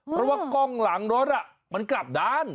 เพราะว่ากล้องหลังรถมันกลับด้าน